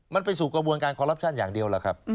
มันไปสู่กระบวนการคอรัปชั่นอย่างเดียวล่ะครับ